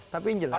tapi yang jelas